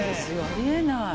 ありえない。